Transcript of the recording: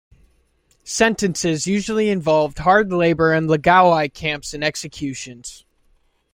Sentences usually involved hard labor in "laogai" camps and executions.